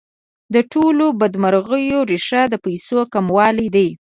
د ټولو بدمرغیو ریښه د پیسو کموالی دی.